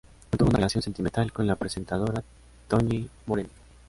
Mantuvo una relación sentimental con la presentadora Toñi Moreno.